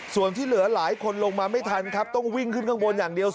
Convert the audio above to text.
ส่วนที่เหลือหลายคนลงมาไม่ทันครับต้องวิ่งขึ้นข้างบนอย่างเดียว